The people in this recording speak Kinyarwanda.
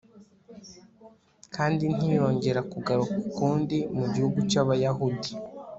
kandi ntiyongera kugaruka ukundi mu gihugu cy'abayahudi